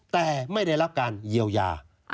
แต่ไม่ได้รับการเยียวยา